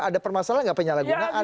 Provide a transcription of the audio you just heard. ada permasalahan nggak penyalahgunaan